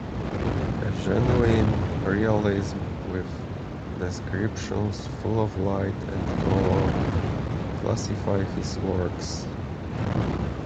A genuine realism, with descriptions full of light and color, classify his works.